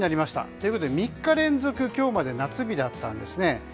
ということで３日連続今日まで夏日だったんですね。